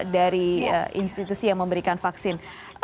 dari institusi yang memberikan vaksin